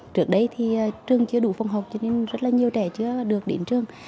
trước đây trường chưa đủ phòng học cho nên rất nhiều trẻ chưa được đến trường